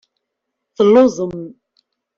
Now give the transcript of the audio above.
Telluẓem.